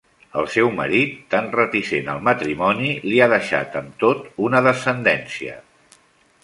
El seu marit, tan reticent al matrimoni, li ha deixat, amb tot, una descendència.